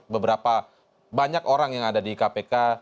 beberapa banyak orang yang ada di kpk